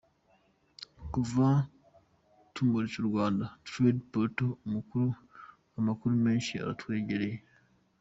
Kuva tumuritse ‘Rwanda Trade Portal’, amakuru menshi aratwegereye.